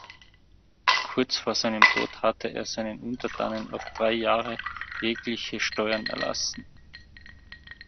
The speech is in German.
Kurz vor seinem Tod hatte er seinen Untertanen auf drei Jahre jegliche Steuern erlassen.